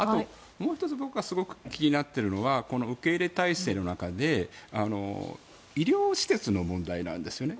もう１つ僕が気になってるのが受け入れ体制の中で医療施設の問題なんですよね。